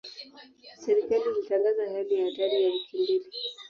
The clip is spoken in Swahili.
Serikali ilitangaza hali ya hatari ya wiki mbili.